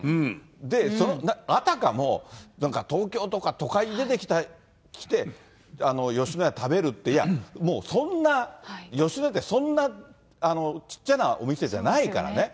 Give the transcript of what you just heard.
で、あたかもなんか東京とか都会に出てきて吉野家食べるって、いや、もうそんな、吉野家って、そんなちっちゃなお店じゃないからね。